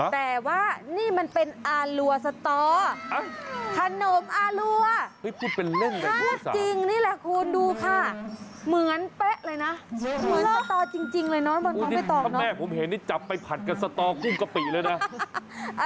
ท่ามแม่ผมให้จับไปผัดกับสตอกุ้มกะปิเลยน่ะ